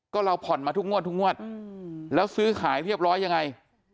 ก็เราผ่อนมาทุกงวดทุกงวดแล้วซื้อขายเรียบร้อยยังไง